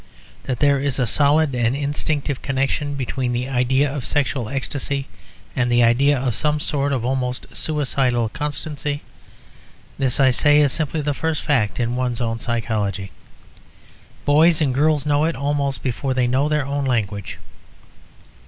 That there is a solid and instinctive connection between the idea of sexual ecstasy and the idea of some sort of almost suicidal constancy, this I say is simply the first fact in one's own psychology; boys and girls know it almost before they know their own language.